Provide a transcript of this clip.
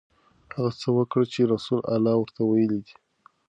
هغه څه وکړه چې رسول الله ورته ویلي دي.